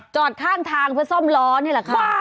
จอดข้างทางเพื่อซ่อมล้อนี่แหละค่ะ